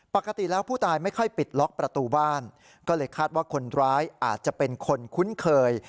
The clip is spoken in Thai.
ปกติแล้วผู้ตายไม่ค่อยปิดล็อกประตูบ้านก็เลยคาดว่าคนร้ายอาจจะเป็นคนคุ้นเคย